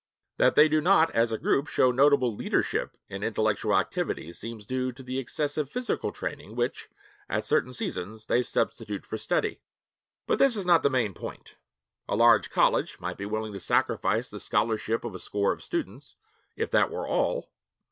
That they do not as a group show notable leadership in intellectual activities seems due to the excessive physical training which, at certain seasons, they substitute for study. But this is not the main point. A large college might be willing to sacrifice the scholarship of a score of students, if that were all.